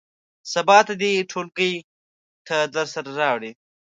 سبا ته دې ټولګي ته درسره راوړي.